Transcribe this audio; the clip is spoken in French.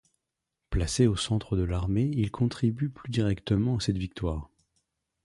Placé au centre de l'armée il contribue plus directement à cette victoire.